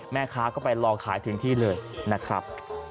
แม่ค้าก็ไปลองขายถึงที่เลยนะครับ